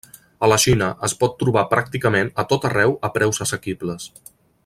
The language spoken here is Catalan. A la Xina es pot trobar pràcticament a tot arreu a preus assequibles.